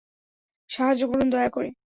সাহায্য করুন দয়া করে।